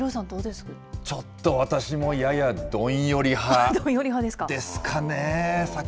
ちょっと私も、ややどんよりどんより派ですか。